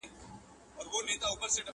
ملکې ته ډوډۍ راوړه نوکرانو؛